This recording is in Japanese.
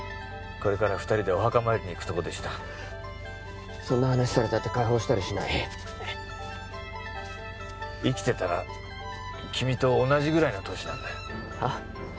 これから二人でお墓参りに行くとこでしたそんな話されたって解放したりしない生きてたら君と同じぐらいの年なんだよはっ？